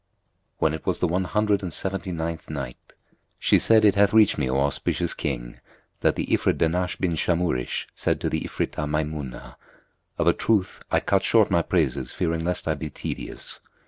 When it was the One Hundred and Seventy ninth Night, She said, It hath reached me, O auspicious King, that the Ifrit Dahnash bin Shamhurish said to the Ifritah Maymunah, "Of a truth I cut short my praises fearing lest I be tedious."